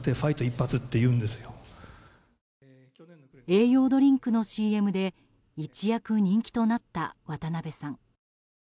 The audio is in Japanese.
栄養ドリンクのＣＭで一躍人気となった渡辺さん。